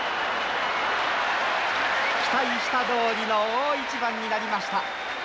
期待したどおりの大一番になりました。